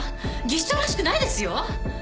技師長らしくないですよ？